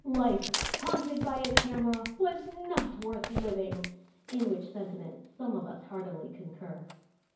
Life, haunted by a camera, was not worth living in which sentiment some of us heartily concur.